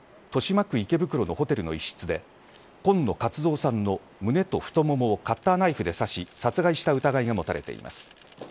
豊島区池袋のホテルの一室で今野勝蔵さんの胸と太腿をカッターナイフで刺し殺害した疑いが持たれています。